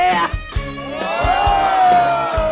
mas idan masuk